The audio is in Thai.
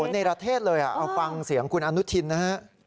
ในประเทศเลยเอาฟังเสียงคุณอนุทินนะฮะ